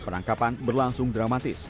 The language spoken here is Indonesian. penangkapan berlangsung dramatis